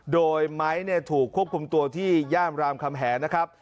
โดยไม้ถูกควบคุมตัวที่ย่านรามคำแหงนะครับ